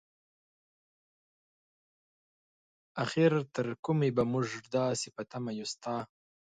اخر تر کومې به مونږ داسې په تمه يو ستا؟